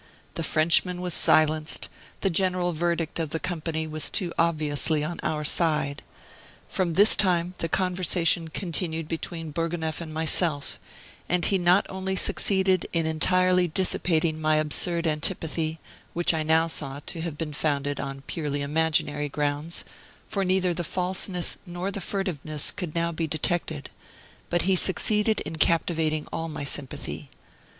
The Frenchman was silenced; the general verdict of the company was too obviously on our side. From this time the conversation continued between Bourgonef and myself; and he not only succeeded in entirely dissipating my absurd antipathy which I now saw to have been founded on purely imaginary grounds, for neither the falseness nor the furtiveness could now be detected but he succeeded in captivating all my sympathy.